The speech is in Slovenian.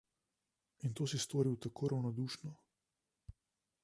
In to si storil tako ravnodušno.